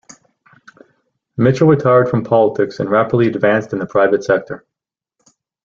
Mitchell retired from politics and rapidly advanced in the private sector.